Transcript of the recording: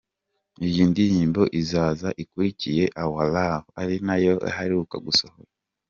Iyi ndirimbo izaza ikurikiye ‘Our love’ ari nayo aheruka gusohora.